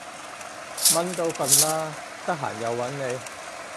蚊都瞓喇，得閒又搵你